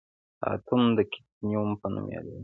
دا اتوم د کتیون په نوم یادیږي.